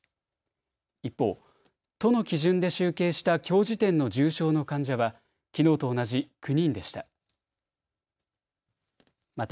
一方、都の基準で集計したきょう時点の重症の患者はきのうと同じ９人でした。